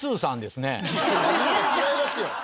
違いますよ。